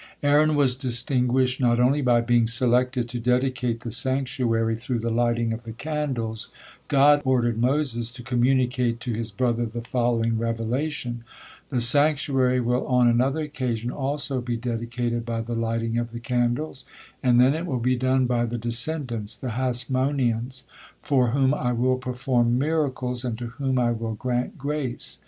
Aaron was distinguished not only by being selected to dedicate the sanctuary through the lighting of the candles, God ordered Moses to communicate to his brother the following revelation: "The sanctuary will on another occasion also be dedicated by the lighting of the candles, and then it will be done by the descendants, the Hasmoneans, for whom I will perform miracles and to whom I will grant grace.